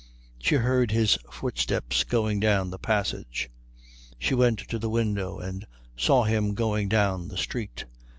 She heard his footsteps going down the passage. She went to the window, and saw him going down the street.